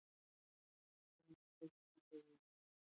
کلک خج دې په بل مثال کې وکاروئ.